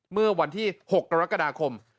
เมื่อวันที่๖กรกฎาคม